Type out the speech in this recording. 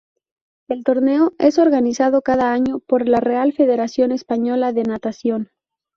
El torneo es organizado cada año por la Real Federación Española de Natación.